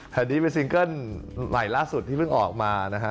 แต่นี่เป็นซิงเกิ้ลใหม่ล่าสุดที่เพิ่งออกมานะฮะ